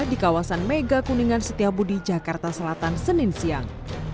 di kawasan mega kuningan setiabudi jakarta selatan senin siang